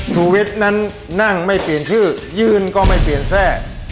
ชูวิทย์นั้นนั่งไม่เปลี่ยนชื่อยื่นก็ไม่เปลี่ยนแทร่